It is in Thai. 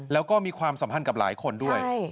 แล้วก็มีความสัมพันธ์กับหลายคนด้วย